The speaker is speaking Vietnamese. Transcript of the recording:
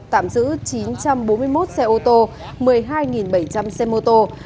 tạm giữ chín trăm bốn mươi một xe ô tô một mươi hai bảy trăm linh xe mô tô